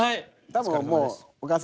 多分もう。